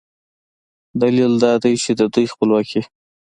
دلیل دا دی چې د دوی خپلواکي